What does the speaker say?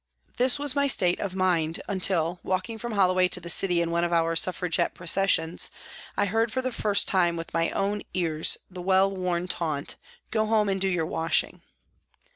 This was my state of mind until, walking from Holloway to the City in one of our Suffragette processions, I heard for the first time with my own ears the well worn taunt "Go home and do your washing."